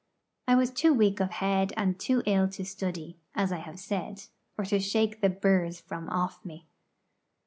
I was too weak of head and too ill to study, as I have said, or to shake the burrs from off me.